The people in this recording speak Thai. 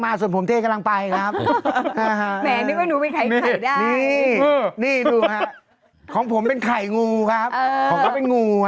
มากอ้วนฮ่าเขามากอ้วน